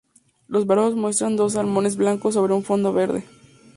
Los brazos muestran dos salmones blancos sobre un fondo verde.